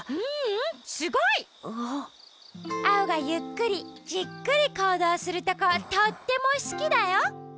ううんすごい！アオがゆっくりじっくりこうどうするとことってもすきだよ。